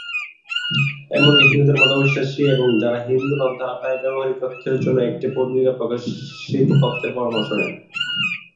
এমনকি হিন্দুদের মধ্যে ‘অবিশ্বাসী’ এবং যারা হিন্দু নন তারা প্রায়শই ব্যবহারিক তথ্যের জন্য একটি পঞ্জিকার প্রকাশিত তথ্যের পরামর্শ নেন।